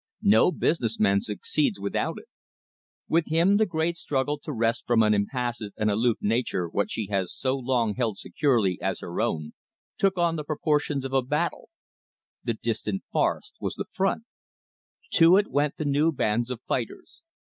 No business man succeeds without it. With him the great struggle to wrest from an impassive and aloof nature what she has so long held securely as her own, took on the proportions of a battle. The distant forest was the front. To it went the new bands of fighters.